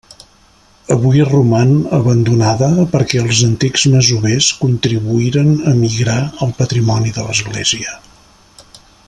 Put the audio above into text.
Avui roman abandonada perquè els antics masovers contribuïren a migrar el patrimoni de l'església.